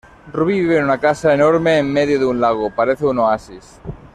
Rubí vive en una casa enorme en medio de un lago, parece un oasis.